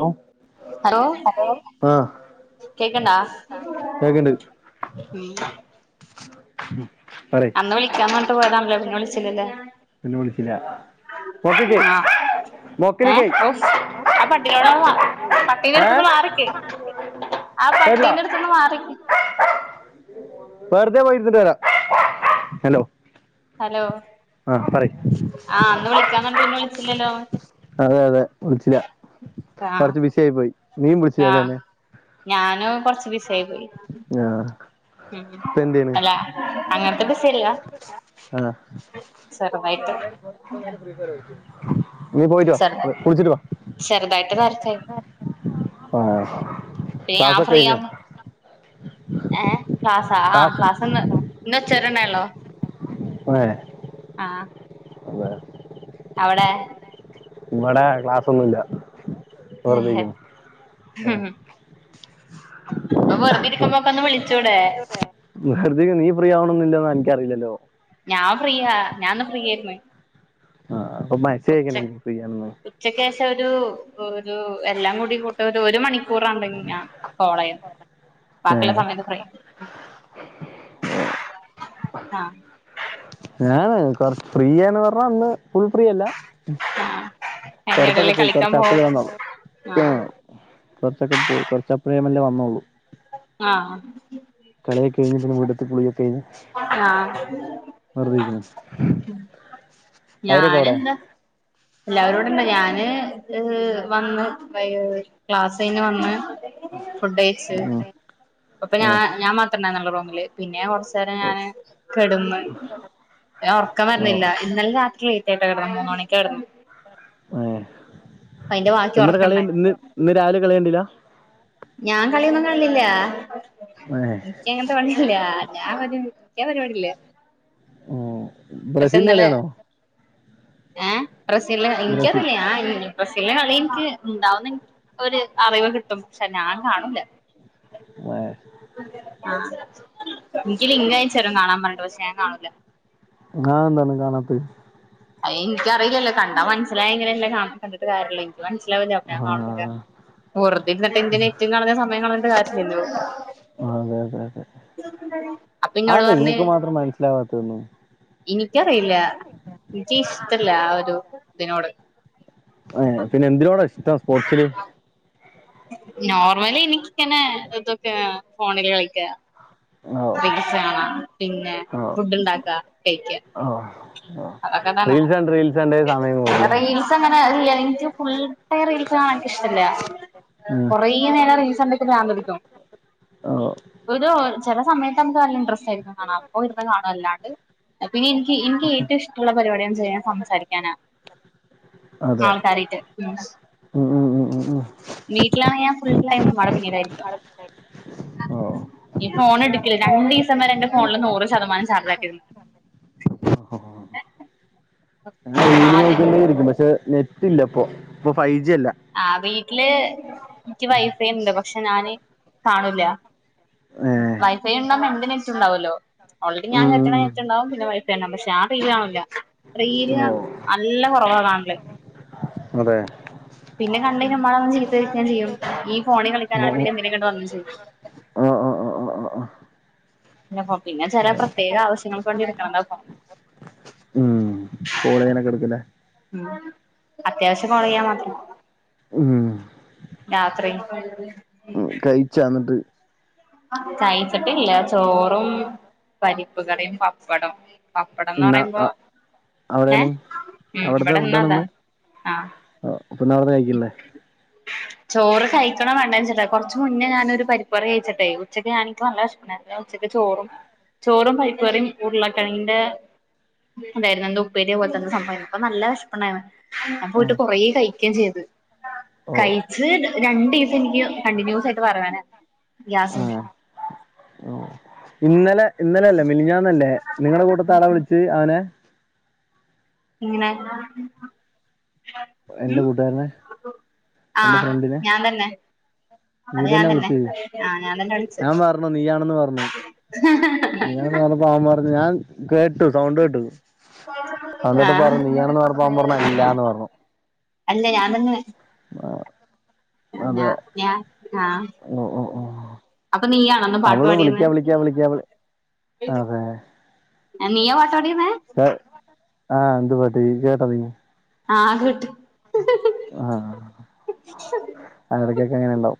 Hello hello ആഹ് കേക്കണ്ടാ കേക്ക്ണ്ട് പറയ് അന്ന് വിളിക്കാ പറഞ്ഞിട്ട് പോയതാണല്ലോ പിന്നെ വിളിച്ചില്ലല്ലേ? പിന്നെ വിളിച്ചില്ല മൊക്കിക്ക് ആഹ് ഏഹ് മൊക്കിലിക്ക് ഓഹ് ആ പട്ടീനോട്‌ പട്ടീന്റെ ഏഹ് അടുത്തന്ന് മാറിക് ആ കേട്ടില്ല പട്ടീന്റെ അടുത്ത് മാറിക്ക് വെറുതെ പൈസട്ട് വരാ ഹലോ ഹലോ ആഹ് പറി ആഹ് അന്ന് വിളിക്കാന്നറഞ്ഞിട്ട് പിന്നെ വിളിച്ചില്ലല്ലോ അതെ അതെ വിളിച്ചില്ല. ഹ സി ആയി പോയി നീയും വിളിച്ചില്ല ല്ലോ ന്നെ ഞാന് കൊറച്ച് ബിസിആയി പോയി ആഹ് ഉം ഉം ഇപ്പ എന്തെയ്യ്ണ് അല്ല- അങ്ങനത്തെ ബിസ്- [inaudible] ചെറുതായിട്ട് നീ പോയിട്ടുവ ചെറുതാ കുളിച്ചിട്ടുവ ചെറുതായിട്ട് തെരക്കായി ആഹ് പിന്നെ ഞാൻ ക്ലാസൊക്കെ കഴിഞ്ഞോ? ഫ്രീയാവുമ്പോ ഏഹ് ക്ലാസ്സാ ആ ക്ലാസ് ക്ലാസ്ന്ന് ഇന്ന് ഉച്ചവരെന്നേള്ളൂ അതെ ആഹ് [unintelligible] അവിടെ ഇവിടെ ക്ലാസ്ന്നുല്ല ഹേ ഹേ ഹ് ഹ് ഇപ്പ വെറുതെ ഇരിക്കുമ്പോക്ക ഒന്ന് വിളിച്ചൂടെ? വെറുതെ നീ ഫ്രീ ആവണോ ന്നില്ല എനിക്കറില്ലല്ലോ ഞാൻ ഫ്രീയാ ഞാന്ന് ഫ്രീ ആയിരുന്നു ആഹ്, അപ്പൊ മരിച്ചെയ്കെന്നെ ഫ്രീ ആന്ന് ച്ചെക്കെശെരു ഒരു എല്ലാം കൂടി ഒരു ഒരുമണിക്കൂറിണ്ടഞാ കോളെയാ ഏ ബാക്കിള്ളസമയത്ത് ഫ്ര [inaudible] [inaudible] ന [unintelligible] കൊർച്ച് ഫ്രീയാണ്ന്നർഞ്ഞാ ന്ന് ഫുൾ ഫ്രീ അല്ല. ഉം [inaudible] പുറത്തൊക്കെ പോയി കെർച്ചപ്പഴാ വന്നോ അം ആഹ് കുറച്ചൊക്കെ പോയ് കെർച്ചപ്പയെ മെല്ലേ വന്നോളും. ആഹ്... കളിയൊക്കെ കഴിഞ്ഞ് പിന്നെ വീട്ട്ത്തെ കുളിയൊക്കെ കഴിഞ് ആഹ് വെറ്തെ ഇരിക്കുന്നു അവരൊക്കെ അവിടെ ഞാനെന്താ? എല്ലാവരുണ്ട് ഞാന് ഹ് വന്ന് വൈ ക്ലാസെയ്ഞ് വന്ന്. ഫു ഡെയ്ച്ച് ഉം അപ്പൊ ഞാ ആ ഞാൻ മാത്രണ്ടായിരുന്നെള്ളൂ റൂമില് പിന്നെ ഞാകെർച് ന്താണ് ഞാന് കെട്ന്ന് ഞാ ഒർക്കം ഓ വര്ന്നില്ല ന്നലെ രാത്രിയെ. ചെട്ട കിടന്ന് മൂന്ന്മണിക്കെ കെടന്ന്. ഏയ് അയിന്റെ ബാക്കി ന്നിട്ട് കളി ഒറക്കണ്ടായി ഇന്ന് ഇന്ന് രാവിലെ കളികണ്ടീല. ഞാ കളിയെന്നും കാൺലില്ലാ. [unintelligible] ക്കങ്ങൻത്തെ വണ്ടില്ലാ ഞാ വരും ക്കൃപരിപാടില്ലാ. ഉം.... ബ്രസീലിന്റെ പഷെന്നലെ, കളിയാണോ ഏഹ് ബ്രസീൽൻ്റെ കളി ബ്രസീൽ ൻക്കറീല ഞാ ഈ ബ്രസീൽൻ്റെ കളിൻക്ക് ണ്ടാവുമ്പേ ൻ ഒരു അറിവ് കിട്ടും ക്ഷെ ഞാൻ കാണൂല. [unintelligible] ആഹ് നിക്ക്ലിങ്കയച്ചരും കാണാൻ പറഞ്ഞിട്ട് പഷെ ഞാൻ കാണൂല. കാ ന്താണ് കാണാത്തെത്. അയ് ഇൻക്കറീലല്ലോ കണ്ടാ മനസ്സിലായെങ്കിലെല്ലെ കാണാൻ പറഞിട്ട് കാരൃള്ളു ൻക്ക് മൻസ്സിലാവൂല അപ്പ ആ ഞാൻ കാണൂല ഒ റുതെരുന്നിട്ടെന്തിന് റ്റും കളഞ്ഞ് സമയം കളഞിണ്ട് [unintelligible] ലോ. ദാദെ ഇന്നോട് അതെന്തെ ഇങ്ങക്ക് മാത്രം മനസ്സിലാവാത്തത് ന്നു. ഇനിക്കറിയില്ല. ക്കിഷ്ടല്ല ആ ഒരു തിനോട്. പിന്നെന്തിനോടാ ഇഷ്ടം സ്പോർട്സില്. നോർമലി നിക്കിങ്ങനെ ഇതൊക്കെ ഫോണില് കളിക്കാ. ഓഹ് ഗെയിംസ് കാണ പിന്നെ ഓഹ് ഫുഡ് ഉണ്ടാക്കാ കഴിക്കൃ. ഓഹ് ഓഹ് അതെക്കെതന്ന റീൽസ് കണ്ട് റീൽസ് കണ്ടേ സമയം പോവുല്ലേ പറയ് പ്പ ങ്ങനെ റൈഞ്ച് ഫുൾടേ റീൽസ് കാണാനിക്കിഷ്ടല്ല ആഹ് [unintelligible] റെ നേരം റീൽസണ്ടിട്ട് ഭ്രാന്ത്ടിക്കും ഓഹ് [unintelligible] ചെല സമയത്തമ്മക്ക് നല്ലൻട്രസ്റ്റ് ആയി. [unintelligible] കാണല്ലാണ്ട് പിന്നെ ൻക്ക് ൻക് ഏറ്റം ഇഷ് റ്റുള്ള പരിപാടിയാച്ചാ യം സംസാരിക്കാനാ അതെ ആൾക്കാരായിറ്റ്. ഉം ഉം ഉം വീട്ടിലാണേ ഞാൻ ഫുൾടൈം മ്മാടെപിന്നിലായിരിക്കും. ഓ... ഈ ഫോണെട്ക്കില്ല രണ്ടീസം വരെ ന്റെ ഫോണില് നൂറ് ശതമാനം ചാർജാക്കിര്ന്നത. ഞാ റീല് ആദ്യ നോക്കല് ദ് നെറ്റില്ല പ്പോ ഇപ്പൊ ഫൈജി അല്ല ആ വീട്ടില് ക്ക് വൈഫൈ ണ്ട് പക്ഷെ ഞാന് കാണൂല. ഏഹ് വൈഫൈ ണ്ടാമ്പോ എന്റെ നെറ്റ് ണ്ടാവല്ലോ ഓൾറെഡി ഞാൻ. ഉം ഉം [unintelligible] റ്റ്ണ്ടാവും, പിന്നെ വൈഫൈണ്ടാവും, പഷെ ഞാ റീല് കാണൂല റീല് ഉം ഞാ ഓഹ് നല്ല കൊറവാ കാണല്. അതെ.. പിന്നെ കണ്ടെയ്ഞാ മ്മാടൈയ് ന്ന് ചീത്ത കേക്കെം ചെയ്യും ഇയ് ഫോണി കളിക്കാനാണെ പിന്നെന്തിനാ ഇങ്ങണ്ട് വന്നേ ചോയ്ക്കു ആഹ് ആഹ് ആഹ് ആഹ് ആഹ് [unintelligible] പിന്നെ ചെല പ്രത്യേക ആവശ്യങ്ങൾക്ക് വേണ്ടി എടുക്കുന്നതാ [unintelligible] ഉം കോളേയാനൊക്കെടുക്കുലെ ഉം അത്യാവശ്യം കൊളെയാൻ മാത്രം ഉം രാത്രി ചാ ന്നിട്ട് കയ്ച്ചിട്ടില്ല ചോറും പരിപ്പ് കറിം പപ്പടം പപ്പടന്ന് ഇന്ന് പറയുമ്പോ ഏ അവിടെയാണ് ഉം ഇവിട്ന്നതാ ആ ആ പിന്നവിടുന്ന് കഴിക്കുന്നേ ചോറ് കഴിക്കണോ വേണ്ടയൊ [unintelligible] ച്ചു മുന്നേ ഞാനൊരു പരിപ്പുവട കഴിച്ചിട്ടേയ് ഉച്ചക്ക് ഞാന് ഇന്ക് നല്ലവിശപ്പ്‌ണ്ടായിനി, അപ്പഞാ ഉച്ചക്ക് ചോറും ചോറും പരിപ്പറിം ഉരുളക്കെഴങ്ങിന്റെ അതായിരുന്നു എന്തൊ ഉപ്പേരിയൊ പോലത്തെന്തൊ സംഭവാര്ന്ന് പ്പ നല്ല വെശപ്പ്ണ്ടാര്ന്നു ഞാ പോയിട്ട് കൊറേ കഴിക്കേം ചെയ്ത് ഓ കഴിച്ച് രണ്ടീസം എനിക്ക് കണ്ടിന്യൂസായിട്ട് വറുവേന ഗ്യാസിന്റെ ആഹ് ഇന്നലെ ഇന്നലെല്ലേ മിലിഞ്ഞാന്നല്ലേ നിങ്ങള കൂട്ടത്താടെ വിളിച്ച് അവനെ ഇങ്ങനെ എന്റെ ഉം കൂട്ടുകാരനെ ആ എന്റെ ഫ്രണ്ടിനെ ഞാൻ തന്നെ അത് നീ ഞാൻ തന്നെ വിളിച്ച് ആ ഞാൻ തന്നാളിച്ചേ ഞാൻ പറഞ്ഞു നീയാണെന്ന് ഹ് ഹ്ഹഹ ആം പറഞ്ഞ് കേട്ടു സൗണ്ടേട്ടു അന്നിട്ട് ആഹ് പറഞ്ഞു നീ ആണെന്ന് പറഞ്ഞപ്പോ അവംപറ്ഞ് അല്ലാന്ന് പറഞ്ഞു അല്ല ഞാന്തന്നെ അതെ ഞാൻ ആഹ് ഓ ഓ ഓ അപ്പൊ നീയാണോ അന്ന് പാട്ട് അവള് വിളിക്കാ പാടിയിരുന്നെ വിളിക്ക വിളിക്കാ അതെ നീയ പാട്ടാടിയതേ ആഹ് എന്ത് പാട്ട് ഈയ് കേട്ടത് ആ കേട്ട് ആഹ് ഇടക്കൊക്കെ അങ്ങനെ ഉണ്ടാവും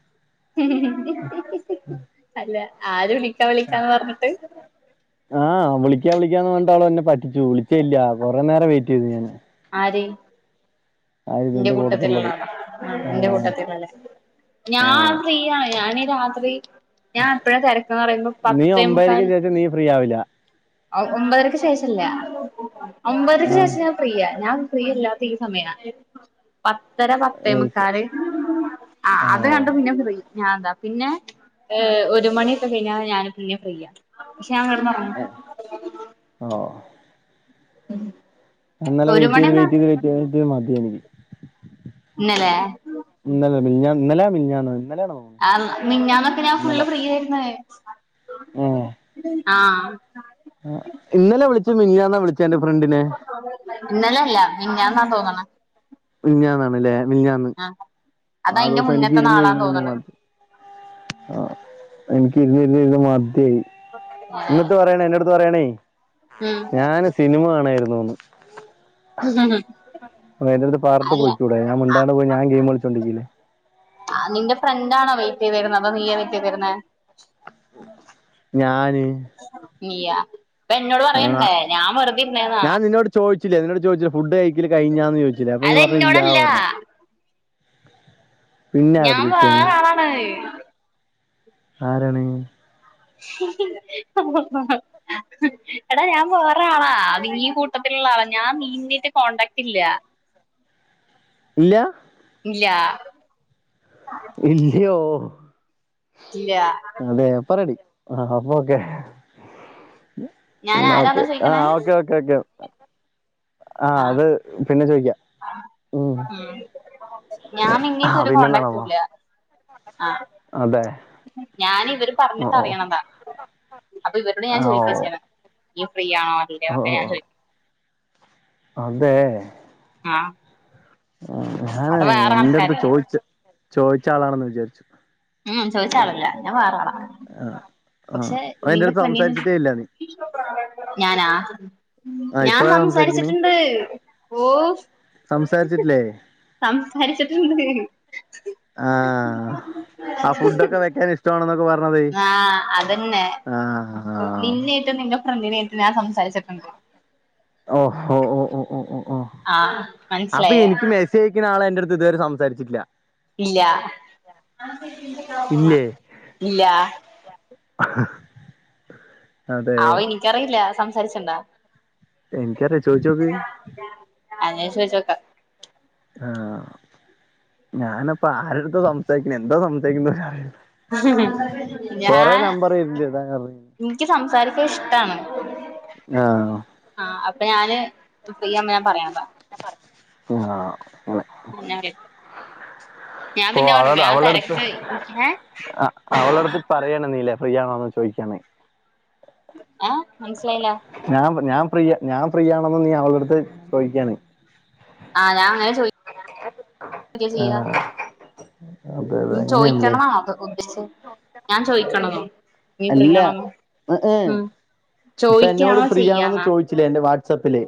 ഹ്ഹ്ഹ് ഹ് ഹ് അല്ല ആര് വിളിക്കാ വിളിക്കാന്ന് പറഞ്ഞിട്ട് ആഹ് വിളിക്കാ വിളിക്കാന്ന [unintelligible] അവളെന്നെ പറ്റിച്ചു വിളിച്ചേയ്ല്ല കൊറെ നേരം വെയിറ്റ് ചെയ്തു ഞാന് ആര്? ന്റെ നിന്റെ കൂട്ടത്തുള്ളത് കൂട്ടത്തിലള്ളാളൊ ആ ന്റെ കൂട്ടത്തിലൊള്ളെ ആ ഞാൻ ഫ്രീയാ ഞാന് രാത്രി ഞാപ്പഴേ തെരക്കന്നറയുമ്പോ നീ പത്തേ ഒമ്പതരക്ക് മുക്കാല് ശേഷം നീ ഫ്രീ ആവില്ല ഒമ്പതരക്ക് ശേഷല്ല ഒമ്പതരക്ക് ആ ശേഷ ഫ്രീയ ഞാൻ ഫ്രീയ്ല്ലാത്ത ഈ സമയാ പത്തര പത്തേമുക്കാല് അ [inaudible] ആ അത് കണ്ട പിന്നെ ഫ്രീ ഞാൻ എന്താ പിന്നെ ഏ് ഒരു മണിയൊക്കെ കഴിഞ്ഞാ ഞാന് പിന്നെ ഫ്രീയ്യ പക്ഷെ ഞാൻ കടന്നൊറങും. ഓ ഉം [inaudible] ഞ ഇന്നലെ വെയിറ്റീത് വെയിറ്റീത് വെയ്റ്റീത് മത്യായി. ന്നലെ? ഇന്നലെ മിനിഞ്ഞാ ഇന്നലെ മിഞ്ഞാന്ന് ഇന്നലാണോ? ആ മിഞ്ഞാന്നൊക്ക ഞാൻ ഫുള്ള് ഫ്രീ ആയിരുന്ന്. ഏ ആഹ് ഇന്നലെ വിളിച്ചു മിഞ്ഞാന്നാ വിളിച്ചത് എന്റെ ഫ്രണ്ടിനെ? ഇന്നലല്ല മിനിഞ്ഞാന്നാ തോന്നണ്. മിഞ്ഞാന്നാണ് ല്ലേ മിഞ്ഞാന്ന് ആഹ് ആ അതയിന്റെ ദിവസം എനിക്ക് മുന്നത്തെ നാളാന്ന് ഇരുന്നിര്ന്ന് തോന്നണ് മ ആ എനിക്ക് ഇരുന്നിര്ന്നിര്ന്ന് മദ്യായി ന്ന്ട്ട് പറയണ എന്റട്ത്ത് പറയണേ ഉം ഞാന് സിനിമ കാണായിരുന്നൂന്ന്. ഹ്ഹ് അ എന്റെടുത്ത് പാറഞ്ഞിട്ട് പോയിക്കൂടെ ഞാൻ മിണ്ടാണ്ടെ പോയി ഞാൻ ഗെയിം കളിച്ചോണ്ടീരിക്കൂലെ. ആ നിന്റെ ഫ്രണ്ടാണോ വെയിറ്റീതിരുന്നത് അതോ നീയാ വെയിറ്റീതിരുന്നെ. ഞാന് നീയാ? അപ്പൊ എന്നോട് ആ പറയണ്ടേ ഞാൻ വെറുതെ ഇരുന്നേന്നാ ഞാൻ നിന്നോട് ചോദിച്ചിലെ നിന്നോട് ചോദിച്ചിലെ ഫുഡ് കഴിക്കല് കഴിഞ്ഞാന്ന് ചോദി ച്ലെ അപ്പോ നീ പറഞ്ഞു ഇല്ലാ അതെന്നോടല്ല പറഞ്ഞു. പിന്നെ ആരോട് ഞാൻ ചോദിച്ചു ഞാന് വേറെ ആളാണേയ്. ആരാണ്? ഹ്ഹ്ഹ് എടാ ഞാൻ വേറാളാ നീയികൂട്ടത്തിലൊള്ള ആളാ ഞാൻ നീന്നീട്ട് കോണ്ടാക്ട് ഇല്ല. ഇല്ല? ഇല്ലാഹ് ഇല്ല്യോ? ഇല്ല്യ അതെ അപ്പൊ റെഡി ആ അപ്പൊ ഓക്കെ. ഞാൻ ന്നാ ഓക്കെ ആരാന്നാ ചോയിക്കണേ ആഹ് ഓക്കെ ഓക്കെ ഓക്കെ ആ ആഹ് അത് പിന്നെ ചോയിക്കാ ഉം ഞാൻ നിന്നേറ്റ് ആഹ് ഒരു കോണ്ടാക് പിന്നെന്താണാവോ ടൂല്ല. അതെ? ഞാന് ഇവര് ഓ പറഞ്ഞിട്ട ഓ റീയണതാ. അപ്പൊ ഇവരോട് ഞാൻ ആ ഓ ചോദിക്കാ ചെയ്യറ് ഈയ് ഫ്രീ ആണോ [unintelligible] ഓ അതിലെ ഞാൻ ചോദിക്ക് അതെ? ആ ആ ഞാന് എന്റടുത്ത് ആൾക്കാര് ചോദിച്ച് ചോദിച്ചാളാണെന്ന് വിചാരിച്ചു. ഉം ചോദിച്ചാളല്ല ഞാൻ വേറാളാ. ആ ആ പക്ഷേ എന്റെ നിന്റെ അടുത്ത് ഫ്രണ്ടിനെ സംസാരിച്ചിട്ടേ ഇല്ല നീ ഞാനാ? ആ ഞാൻ ഇപ്പഴാ സംസാരിക്കണ് സംസാരിച്ചിട്ട്ണ്ട് ഓഹ് ഹ്ഹ് സംസാരിച്ചിട്ടില്ലേ സംസാരിച്ചിട്ട്ണ്ട്. ആഹ് ആ ഫുഡൊക്കെ വെക്കാൻ ഇഷ്ടം ഇഷ്ട്ടാണ്ന്നൊക്കെ പറണ്ത് ആഹ് അതന്നെ ആഹ് ആ നിന്നായിട്ട് നിന്റെ ഫ്രണ്ടിനായിട്ട് ഞാൻ സംസാരീച്ചിട്ടുണ്ട്. ഓ ഹോ ഓ ഓ ഓ ഓ ഓ ആഹ് അപ്പൊ മനസ്സിലായ എനിക്ക് മെസ്സേ ചോയിക്കാനാളെന്റെടുത്ത് ഇതുവരെ സംസാരിച്ചിട്ടില്ലാ. ഇല്ലാ ഇല്ലാ ആഹ് ആവോ എനിക്കറിയില്ല സംസാരിച്ച്ണ്ടാ? എൻക്കറിയ ചോദിച്ചോക്ക് [unintelligible] [unintelligible] ആഹ് ഞാനപ്പം ആരെടുത്താ സംസാരിക്ക്ണെ എന്ദോ സംസാരിക്ക്ണ്ടേയ് അറി ഞാൻ എഴുതിയതാ ഇൻക്ക് സംസാരിക്കാൻ ഇഷ്ടാണ്. ആഹ് ആഹ് അപ്പൊ ഞാന് ഫ്രീയാവുമ്പോ ഞാൻ പറയണതാ ആഹ് [unintelligible] ഞാൻ ഓ പിന്നെ പർഞ്ഞിലെ ഞാൻ തെരക്കായി. ഏഹ് ആഹ് അവളെടുത്ത് പറയണന്നിലെ ഫ്രീ ആണോന്ന് ചോയിക്കാന് ആഹ് മനസിലായില്ല ഞാൻ ഞാൻ ഫ്രീ ഞാൻ ഫീയാണെന്ന് നീ അവളടുത്ത് ചോയ്ക്കാന് ആഹ് ഞാൻ അങ്ങനെ ചോ ചെയ്യാ ആഹ് അതെ അതെ അങ്ങനെയാണല്ലേ ചോയ്ക്കണെന്നാണോ അത് ഉദ്ദേശിച്ചേ ഞാൻ ചോയ്ക്കണന്നോ? അല്ല [unintelligible] ഇപ്പൊ എന്നോട് ചോദിക്കാണോ ഫ്രീ ആണോന്ന് ചെയ്യാന്നാ ചോയിച്ച് റ്റിലെ എന്റെ വാട്സപ്പില്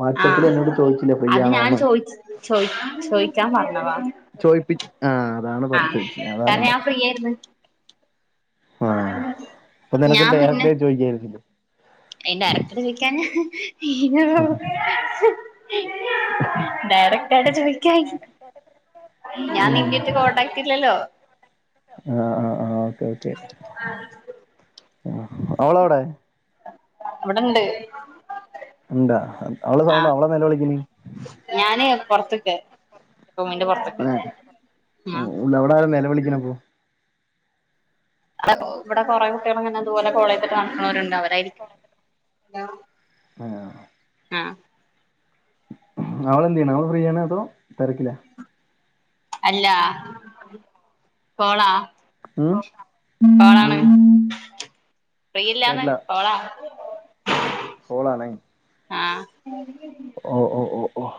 വാട്സപ്പിൽ ആഹ് എന്നോട് ചോയിച്ചിലേ അത് ഞാൻ ഫ്രീയാണോന്ന് ചോയിച്ച് ചോയി ചോയിക്കാൻ പറഞ്ഞതാ ചോയിപ്പി ആഹ് അതാണ് പർച്ച് ചോയ്ച്ചേ അതാ ഞാൻ പർഞ്ഞെ കേട്ന്ന് ആഹ് അപ്പൊ നിനക്ക് ഡയറക്ട്ടായി ജോയിക്കായിരുന്നില്ലേ അയ്ന്റെ അറക്റ്റ്ട് ചോയിക്കാന് ഡയറക്റ്റ് ആയിട്ട് ചോയിക്കായി ഞാൻ ഉം നിന്റെട്ട് കോണ്ടാക്ട് ഇല്ലല്ലോ ആഹ് ആഹ് ആഹ് ഓക്കെ ഓക്കെ ആഹ് അവളവിടെ? ഇവിടെണ്ട്. ഉണ്ടാ അവള സൗണ്ട ആഹ് അവള നില വിളിക്ക്ണ് ഞാന് പൊർത്ക്ക് റൂമിന്റെ പൊർത്ത്ക്ക്. [unintelligible] അവടെ നലവിളിക്കണപ്പോ? അടെ ഇവിടെ കൊറേ കുട്ടികൾ ഇങ്ങനെതുപോലെ കോളേജ്ട്ട് നടക്കുണോരുണ്ട് അവരായിരിക്കും. ആഹ് ആഹ് അവളെന്തേയ്യ്ന്ന് അവള് ഫ്രീ ആനോ അതോ തെരക്കില? അല്ല കോള ഉം കോളാണ് ഉം ഫ്രീയില്ലാന്ന് കേട്ടില്ല കോളാ. കോളാണ്. ആഹ് ഓഹ് ഓഹ് ഓഹ് ഓഹ്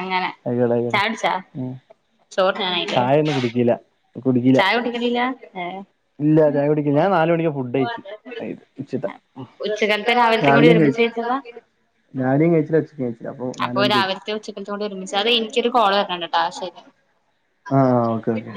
അങ്ങനെ അയക്കോട്ടെ അയക്കോട്ടെ ചായുടിച്ചാ ഉം ചോറിനാനായില്ലേ ചായ ഒന്നും കുടിക്കില കുടിക്കില ഇല്ല ഹേയ് ഇല്ല ചായ കുടിക്കി ഞാൻ നാല് മണിക്ക് ഫുഡ് കയ്ച് ഉച്ചക്കൽതേം രാവിൽത്തേകൂടി ഒരുമിച്ചു കഴിച്ചതാ. ഞാന് അപ്പൊ രാവിൽതേം ഉച്ചക്കൽത്തേക്കൂടെ ഒരുമിച്ച അതേ ഇൻക്കൊരു കാൾ വരനുണ്ട് ആഹ് ശരി ആ ഓക്കെ ഓക്കെ